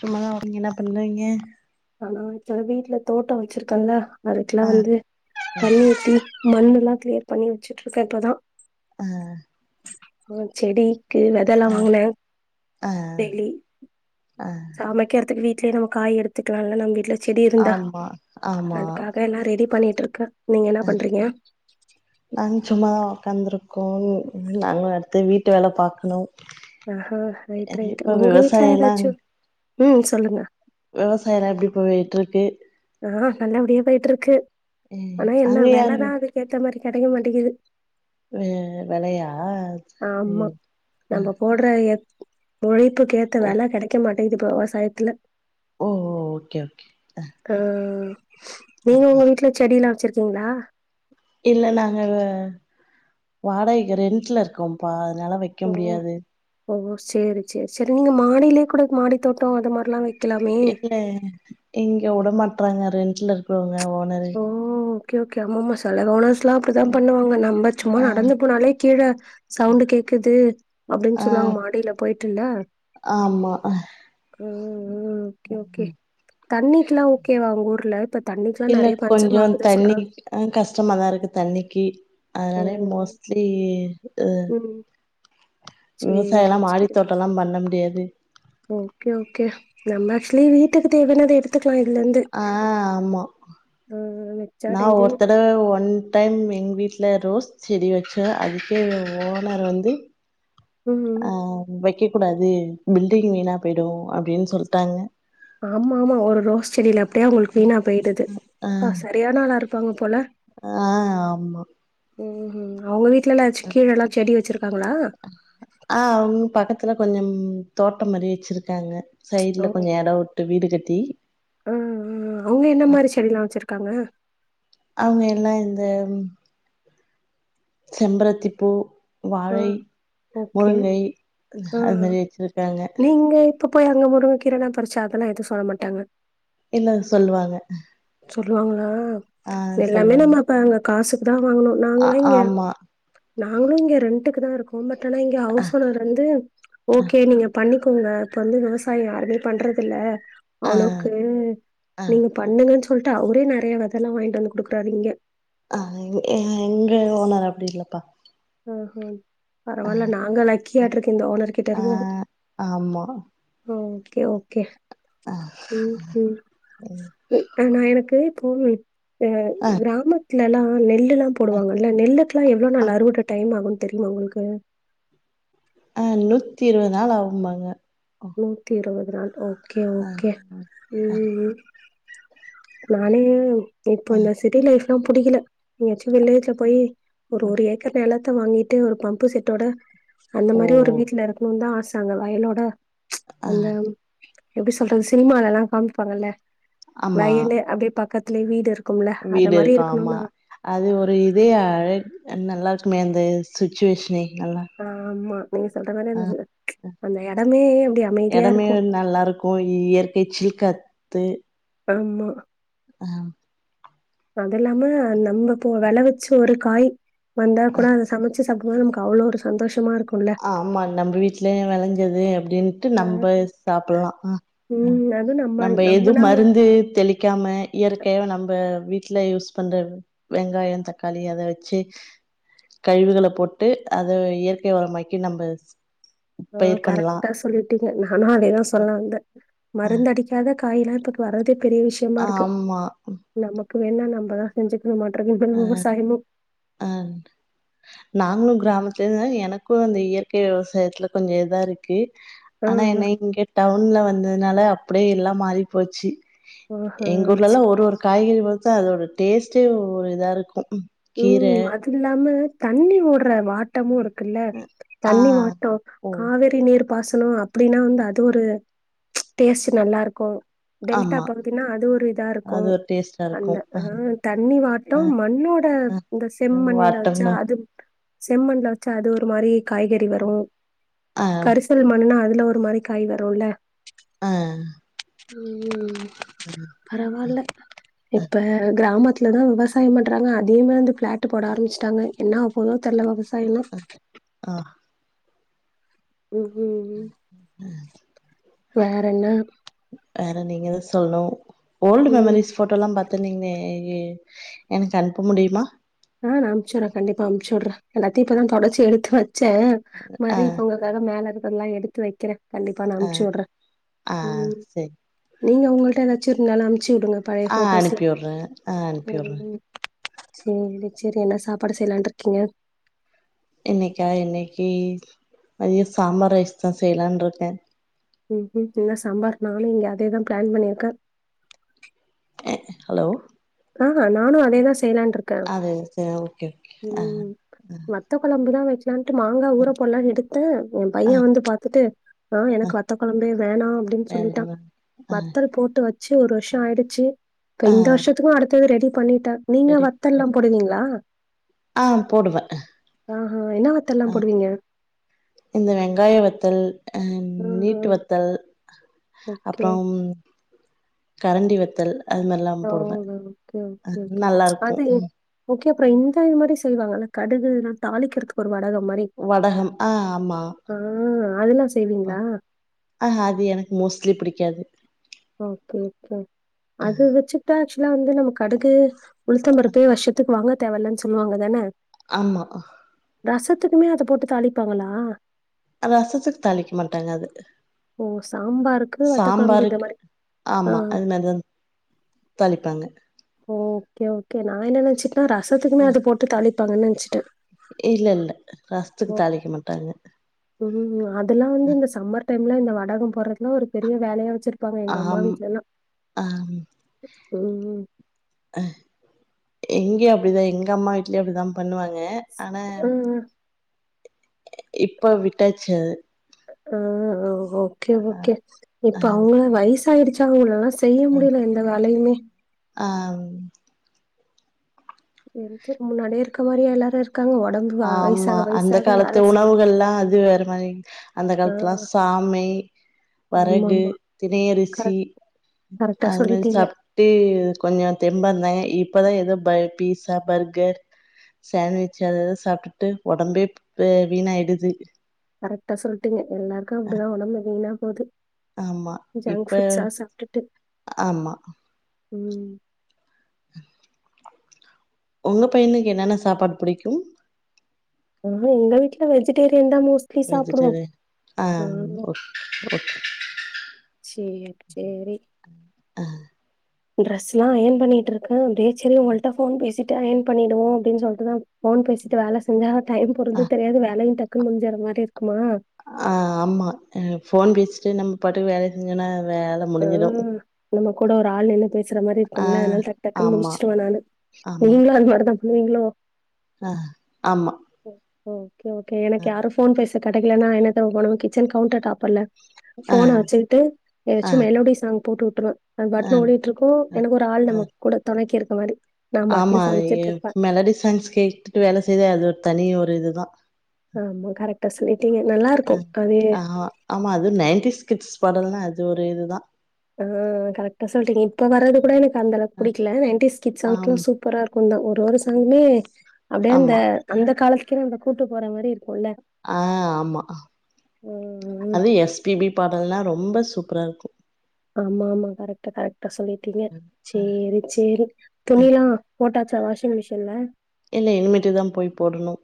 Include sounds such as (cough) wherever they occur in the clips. சும்மாதா நீங்க என்ன பண்றீங்க ஆ சா வீட்ல தோட்டோ வச்சிருக்கேன்ல அதுக்கெல்லா ஆ வந்து ம் தண்ணி ஊத்தி மண்ணு எல்லா கிளியர் பண்ணி வெச்சுட்ருக்கே இப்பதா ஆ ஆ செடிக்கு வெதல்லா ஆ வாங்குன ஆ டெய்லி ஆ சமைக்கிறதுக்கு வீட் செய்ய நம்ம காய் எடுத்துக்கலால நம் விட்ல செடி இருந்தா ஆமா ஆமா அதுக்காக எல்லா ரெடி பண்ணிட்டு இருக்க நீங்க என்ன பண்றீங்க நாங்க சும்மாதா உக்காந்துருக்கோ நாங்களு அடுத்து வீட்டு வேல பார்க்கணு அ ஆ ரைட்டு ரைட்டு உங்க வீட்டுல விவசாய ஏதாச்சு ம் சொல்லுங்க விவசாயம்லா எப்படி போயிட்டு இருக்கு ஆ நல்லபடியா போயிட்டு இருக்கு ம் ஆனா என்ன அங்க யாரு விலதா அதுக்கு ஏத்த மாரி கிடைக்க மாட்டேங்கிது வே விலையா ம் ஆ உழைப் புக்கு கேத்த வேல கிடைக்க மாட் இது இப்ப விவசாயத்துல ஓ ஓகே ஓகே ஆ நீங்க உங்க வீட்டுல செடிய எல்லா வச்சிருக் இருங்களா இல்ல நாங்க வ வாடகைக்கு ரென்ட்ல இருக்கோ பா அதனால வைக்க ஓ முடியாது ஓ சேரி சேரி சேரி நீங்க மாடிலேய கூட மாடி தோட்டோ அது மாரிலா வை இல்ல இங் க உட மாட்டறாங்க ரென்ட்ல இருக்கிறவங்க ஓனரு ஓ ஓகே ஓகே ஆமாம தல ஓனர்ஸ் லா அப்டிதா பண்ணுவாங்க நம்ப சும்மா ஆ நடந்து போனாலே கீழே சவுண்டு கேக்குது ஆ அப்டின்னு சொல்லுவாங்க மாடியில போயிட்டுல்ல ஆமா ம் ம் ஓகே ஓகே தண்ணிக்குல்லா ஓகேவா உங்க ஊர்ல தண்ணிக்லா இல்ல நெறைய பஞ்சம் கொஞ்சோ ஆகுது தண்ணி சொல்றாங்க அ கஷ்டமாதா இருக்கு தண்ணிக்கு ஓ அதனாலயே மோஸ்லி ம் விவசாயோ சேரி எல்லா சேரி மாடித்தோட்ட எல்லா பண்ண முடியாது தே ஓகே ஓகே நம்ம ஆக்சுலி வீட்டுக்கு தேவயானத எடுத்து ஆ ஆமா ஆ வச்சா நா டெய்லி நம் ஒருத்தடவ ஒன் டைம் எங்க வீட் ட்ல ரோஸ் செடி வச்சோ அதுக்கே ஓனர் வந்து ம் ம் ஆ வெக் வெக்க கூடாது பில்டிங் வீணா போயிடு அப்படின்னு சொல்லிட்டாங்க ஆமா ஆமா ஒரு ரோஸ் செடியில அப்டியே அவங்களுக்கு வீனா போயிடுது ஆ அப்ப சரியான ஆளா இருக் ப்பங்க போல ஆ ஆமா ம் ம் அவங்க வீட் வீட்ல (unintelligible) வெச்சு கீழெல்லா செடி வச்சிருக்காங்களா துல கொஞ்சம் தோட்டம் மாரி வச்சிருக்காங்க சைட்ல ஓ கொஞ்சோ எடோ விட்டு வீடு கட்டி அ அ அவங்க என்ன ஆ மாரி செடிலா வச்சிருக்காங்க அவங்க எல்லா இந்த ம் செம்பரத்திப் பூ ஆ வாழை ஓகே முருங்கை ஆ அது மாரி வச்சிருக்காங்க நீங்க இப்ப போய் அங்க முருங்க கீரலா பறிச்சா அதெல்லா எது சொல்ல மாட்டாங்க இல்ல சொல்லுவாங்க சொல்லுவங்க அ ஆ எல்லாமே சொல்லுவாங்க நம்ம அப்ப அங்க காசு கு தா வாங்கனு ஆ நாங்களா இங்க ஆமா நாங்களு இங்க ரெண்டுக்கு தா இருகோ கோம் பட் ஆனா இங்க ஹவுஸ் ஓனர் வந்து ஓகே நீங்க பண்ணி இருக்கங்க இப்ப வந்து விவசாய யாருமே பண்றது இல்ல ஆ அவ்ளவுக்கு ஆ நீங்க பண்ணுங்கன்னு சொ சொல்லிட்டு அவுரே நெறைய வெதல்லா வாங்கிட்டு வந்து கொடுக்குறாரு இங்க அ எ எங்க ஓனர் அப்டி இல்லப்பா ம் ஓ ம் பரவாயில்ல நாங்க லக்கியாட்டுருக்கு இந்த ஓனர் கிட்ட ஆ இருக்கோ ம் ஆமா ஓ ஓகே ஓகே ம் ம் ஆனா எனக்கு போவில் ஏ ஆ கிராம த்ல்லலா நெல் டு எல்லா ஆ போடுவாங்க நெல்லுக்லா எவ்ளோ ஆ நாள் அறுவட என்னா ஆகுன் தெரியுமா உங்களுக்கு அ நூத்தி இருவது நாள் ஆகும்பாங்க நூத்தி இருவ நாள் ஓ கே ஆ ஓகே ம் ம் நானே இப்ப ஆ இந்த சிட்டி லைஃப் லா புடிக்கல நீயாச்சு வில்லேஜ போய் ஒரு ஒரு ஏக்கர் நெலத் த்து வாங்கிட்டு ஒரு பம்பு செட்டோட அந்த ஓ மாரி ஒரு வீட்ல இருக்கணுதா ஆச நாங்க வயலோட ஆ அந்த ம் எப்பிடி சொல்றது சினிமாலெல்லா காமிப்பாங்கில்ல ஆமா வயலு அப்டியே பக்கத் துலே வீடு இரு வீடு இருக்கு ஆமா அது ஒரு இதே அழ நல்லா இரு க்குமே அந்த சுச்சுவேஷனே ஆ ஆமா நீங்க சொல்ற மாரி அ அந்த அந்த எடமே அப்டி அமைதியா எடமே இருக்கு நல்லா இருக்கு இயற்கை சில்காத் தே ஆமா ஆ அது இல்லாம நம்ம இப்போ வெள வச்சு ஒரு காய் வந்தா கூட அத சம ச்சு சாப்டும்போது நமக்கு அவ்ள ஒரு சந்தோஷமா இருக்கு ஆமா நம்ம வீட்லயே வெளைஞ்சது அப்டின் ட்டு நம்ப சாப்டலா உ உ ம் அது நம்ம எதும் நம்மனா மருந்து தெளிக்காம இயற்கையா நம்ப க வீட்ல யூஸ் பண்ற வெங்காயோ தக்காளி அத வச்சு கழிவுகள போட்டு அத இயற்கை உரமாக்கி கி நம்மஸ் அ கரெக்டா சொல்லிட்டீங்க நானு அதேதா சொல்ல வந்தே மருந் அடிக்காத காய்லா இப்பக் வர்றது பெரிய விஷயமா இருக்கு ஆமா நமக் கு என்னனா நம்மதா செஞ்சு ரொமாட்டர் கம்பல் ஆ விவசாயமு ஆ நாங்களு கிராமத்துல தா எனக்கு அந்த இயற்கை விவசாயத்துல கொஞ்ச இதா இருக்கு ஆ ஆனா ஆ என்ன இங்க டவுன்ல வந்ததுனால அப்டியே எல்லா மாறி போச்சு ஆஹா எங்க செ ஊர்லல்லா ஒரு ஒரு காய்கறி வந் (unintelligible) அதோட டேஸ்ட்டே ஒரு இதா இருக்கு உ கீர அது இல்லாம தண்ணி ஓடுற வாட்டமு இருக் குல்ல ஆ தண்ணி வாட்டோ ஓ காவெரி நீர் பாசனொ அப்டின்னா வந்து அது ஒரு டேஸ்ட்டு நல்லா இருக்கு டெல்டா ஆமா பகுதின்னா அது ஒரு இதா இருக்கு அது ஒரு டேஸ்ட்டா இருக்கு அந்த ஆ தண்ணி வாட்டோ ஆ மண்ணோட ஹு ஆ இந்த செம்மண்ல வச்சா வட்டம்னா அது செம்மண்ல வச்சா அது ஒரு மாரி காய்கறி வரு ஆ கரிசல் மண்ணுனா அது ந்த ஒரு மாரி காய் வருல ஆ உ உ உ பரவாயில்ல இப்ப கிராமத் துலதா விவசாயம் பண்றாங்க அ அதே மாரி வந்து பிளாட் போட ஆரம்பச்சிட்டாங்க என்ன ஆவ போவுதோ தெரில (unintelligible) சை (unintelligible) ஆ ம் ம் ம் வேற என்ன வேற நீங்கதா சொல்னு ஓல்டு மெம்ரிஸ் ம். போட்டோலா பாத் இப்ப நீங்க எ எனக்கு அனுப்ப முடியுமா ஆ நா அனுச்சுடுறே கண்டிப்பா அனுச்சுடறே எல்லாத்தையு இப்பதா தொடச்சி எடுத்து வைச் ச்ச ஆ மாரி இப்ப உங்களுக்காக மேல இருக் அதெல்லா எடுத்து வைக்கிறே கண்டிப்பா நா ஆ அமுச்சுடுறே ஆ ம் செரி நீங்க உங்கள்ட்ட ஏதாச்சு இருந்தாலு அனுப் ஆ அனுப்பியுறே ஆ அனுப்பியுறே சேரிடா சேரி என்ன சாப்பாடு செய்யலான்டு இருங்கிங்க இன்னைக்கா இன்னைக்கு மதிய சாம்பார் ரைஸ் தா செய்யலாம்னு இருக்கே ம் ம் என்ன சம்பார் நானு இங்க அதேதா பிளான் பண்ணியிருக்கே அ ஹலோ அ ஆ நானு அதேதா செய்லான் இருக்கே அது ஓகே ஓகே ஆ ம் வத்த கொழம்பு தா வச் (unintelligible) மாங்கா ஊற போடலா எடுத்தே என் ஆ பைய வந்து பாத்துட்டு மா ஆ எனக்கு வத்த குழம்பே வேணா அப்படின்னு சொல்லிட்டா வேணாமா ஆ வத்தல் போட்டு வச்சு ஒரு வருஷ ஆயிடுச்சு இப்ப ஆ இந்த வருஷத் (unintelligible) ரெடி பண்ணிட் ட நீங்க ரெடி வத்தல் எல்லா போடுவீங்களா ஆ போடுவே ஆஹா என்ன வத்தல்லா அ போடுவீங்க இந்த வெங்காய வத்தல் ஆ ஆஹா நீட்டு வத்தல் ஓகே அப்புறம் கரண்டி வத்தல் அது மாரிலா ஓ போடுவே ஒகே ஒகே ஒகே நல்லா இருக்கு அது ம் ஓ கே அப்புறம் இந்த இது மாரி செய்வாங்க அந்த கடுகு தாளிக்கிறதுக்கு ஒரு வடகம் மாரி வடகம் ஆ ஆமா ஆ அதெல்லா அ ஆ செய்வீங்களா ஆ அது எனக்கு மோஸ்ட்லி பிடிக் க்காது ஒகே ஒகே அது வச்சுட்டாச் இதெல்லா வந்து நம்ம கடுகு உளுத்தம்பருப்பு வருஷத்துக்கு வாங்க தேவல்லன்னு சொல்லுவாங்க தான ஆமா ஆ ரசத்துக்குமே அதப்போட்டு தாளிப்பாங்களா ரசத்துக்கு தாளிக்க மாட்டாங்க அது ஓ சாம்பாருக்கு வத்த கொழம்பு இந்த சாம்பாருக்கு மாரி ஆ ஆமா அது மாரிதா தாளிப்பாங்க ஓகே ஒகே நா என்ன நெனச்சிட் ஆ ரசத்துக்குமே அது போட்டு தாளிப் (unintelligible) வச்சுட்டே இல்லல்ல ரஸ்த்துக்கு தாளிக்க மாட்டாங்க உ உ ஆ இதெல்லா வந்து இந்த சம்மர் டைம்ல இந்த வடகோ போறதுலா ஒரு பெரிய வேலையா வச்ரு ப்பாங்க எங்க அம்மா ஆம் வீட்லல்லா உ உ அ இங்கயு அப்டிதா எங்க அம்மா வீட்லயு அப்டிதா பண்ணுவாங்க கே ஆனா ஆ இப்ப விட்டாச்சு அத உ ஒ ஓகே ஓகே இப்ப அ அவுங்களே வயசு ப்பாஆயிடுச்சா அவுங்கல்லாஸ் செய்ய முடியல எந்த வேலயுமே (inaudible) அவ் சேரி சேரி முன்னாடி இருக்க மாரியா எல்லாரு இருக் ஆமா அந்த காலத்து செ உணவுகல்லா அது வேற மாரி அந்த ஆ காலத்துல்லா சாமை ஆமா வரகு ஆமா தினையரிசி கரெக்ட் கரெக்டா அது மாரி சொல்லிட்டீங்க சாப்ட்டு கொஞ்ச தெம்பாருந்தாங்க இப் இப்பதா ஏதோ பர் பீஸா பர்கர் சாண்ட்விச் அதஅத ச சாப்ட்டுட்டு ஒடம்பே ப் வீணாயிடுது கரெக்ட்டா சொல்ட்டீங்க எல்லார்க்கு அப்டிதா ஒடம்பு வீணாப் போது ஆமா ஜங்க் இப்ப ஃபுட்ஸா சாப்ட்டுட்டு ஆமா ம் உங்க பையனுக்கு என்னன்ன சாப்பாடு புடிக்கும் ஆ எங்க வீட்ல வெஜிடே ரியன் தா மோஸ்ட்லி சாப்டுவோம் வெஜிடேரியன் ஆ அ ஓக் ஓகே சேரி சேரி அ ட்ரரெஸ்ல்லாம் அயன் பண்ணிட்ருக்கன் அப்டியே சேரி உங்கள்ட்ட போன் பேசிட்டு அயன் பண்ணிடுவோம் அப்டின்னு சொல்லிட்டு தா போன் பேசிட்டு வேல செஞ்சா டைம் ஆ போறது தெரியாது வேலயும் டக் முஞ்சர மாரி இருக் ஆ ஆமா போன் பேசிட்டே நம் பாட்டுக்கு வேலை செஞ்னா வேல ஆ முடிஞ்சிடும் நம்ம கூட ஒரு ஆள் நின்னு பே மாதிரி இருக்கும்ல அதனால டக் டக்குனு ஆமா முடிச்சுடுவேன் நானு ஆமா நீங்களும் அது மாரி தா நீங்களும் ஆ ஆமா ம் ஓகே எனக்கு அ யாரும் போன் பேச கட் டைல் இல்லன்னா என்னத்த போடணும் கிச்சன் கவுண்டர் டாப்பர்ல ஆ போன்னா வச்சுட்டு எ ஆ மெலோடி சாங் போட்டு விட்டுருவேன் அது ஆ பாட்டுக்கு ஓடிட்டு இருக்கும் ஆ எனக்கு ஒரு ஆள் ஆ நமக்கு கூட தொணைக்கு அது மாரி நா ஆமா பாட்டுன்னு சமைச்சிட்ருப்பே மெலடி சாயங்ஸ் கேட்டுட்டு வேலை செய்த அது ஒரு தனி ஒரு இது தா ஆமா கரெட் கசிலி ஆ ஆமா அதுவும் நைன்டி கிட்ஸ் படம் லா அது இது தா ஆ கரெக்டா சொல்லறீங்க இப்ப வர்றது கூட எனக்கு அந்தளக்கு ப புடிக்கல நன்டி ஸ்கிட் ஆம் சாங்ஸ்ல்லாம் சூப்பரா கொந்தம் ஒரு ஒரு சாங்குமே அப்டியே அந்த ஆமா அந்த காலத்து க்கிர அந்த கூட்டு போற மாரி இருக்குல்ல ஆ ஆமா ம் அது எஸ் பி பி பாடல்னா ரொம்ப சு ப்புறா இருக்கு ஆமா ஆமா கரெக்ட் கரெக் சொல்லிட்டீங்க சேரி சேரி துணிலா போட்டா சா வாஷிங் மிஷின்ல இல்ல இனிமிட்டு தா போய் போடணு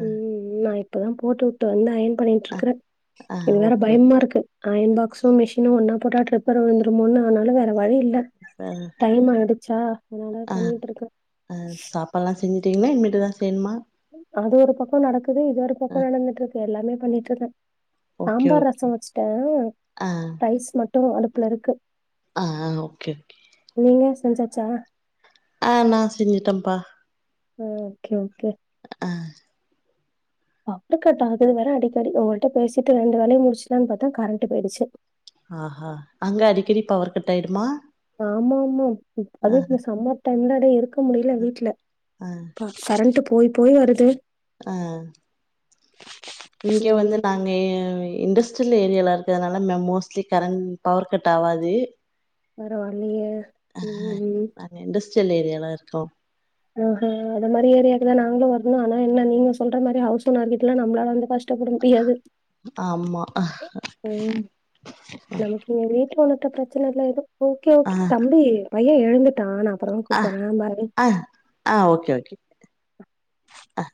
அ உ உ நாய் இப்போதா போட்டு விட்டு வந்த அயன் பண்ணிட்ருக்குறே ஆ இது வேற ஓகே பயமா ஓகே இருக்கு அயன் பாக்ஸு மிஷினு ஒன்னா போட்டா ட்ரிப்பர் வந்துரமோனு அதனால வேற வழி இல் ல அ டைம் ஆய்டு சா இந்தா ஆ பண்ணிட்ருக்குரே ங்களா இனிமேட்டு தா செய்யணுமா அது ஒரு பக்கோ நடக்குது இது ஒரு பக்கோ அ நடந்துட்ருக்கு எல்லாமே பண்ணிட்ருக்கே ஓகே சாம்பார் ஓகே ரஸோ வச்சுட்டே ஆ ரைஸ் மட் டு அடுப்புலருக்கு ஆ ஓகே ஓகே சம்சாச்சா ஆ நா செஞ்சுட்டேபா ஒ ஓகே - ஓகே ஆ பவர் கட் ஆகுது வேற அடிக்கடி உங்கள்ட்ட பேசிட்டு ரெண்டு வேலேயு முடிச்சிர்லானு பாத்தே கரண்ட் போய்டுச்சு ஆஹா அங்க அடிக்கடி பவர் கட் ஆய்டுமா ஆமா- ஆமோ அதுக்கி சம்மத் தந்ததே இருக் முடியல வீட்ல அ பா கரெண்ட்டு போய் போய் வருது ஆ இங்க வந்து ம் நாங்க இண்டஸ் ட்ரியல் ஏரியால இருக்கறனால மே மோஸ்ட்லி கரண்ட் பவர் கட் ஆவாது பரவால்லியே ம் ம் ட்ரியல் ஏரியால இருக்கோ ஆஹா அந்த மாரி ஏரியாக்குதா நாங்களு வரணு ஆனா என்ன நீங்க சொல்ற மாரி ஹவுஸ் ஓனர் வீட்ல நம்பளால எந்த கஷ் டப்பட முடியாது ஆமா ஆ ம் நமக்கு இங்க வீட்டு ஓனர் பிரச்சன இல்ல எது ஓகே ஓகே தம்பி பையே எழுந்துட்டா நா அப்பறோ ஆ கூப்பட்றே பாய் ஆ ஆ ஓகே ஓகே அ